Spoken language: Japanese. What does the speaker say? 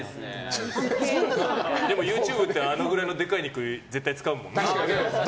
でもＹｏｕＴｕｂｅってあのぐらいの、でかい肉絶対使うもんね。